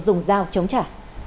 dùng dao chống trả